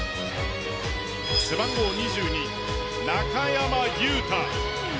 背番号２２、中山雄太。